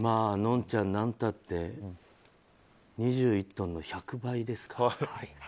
のんちゃん、何て言ったって２１トンの１００倍ですから。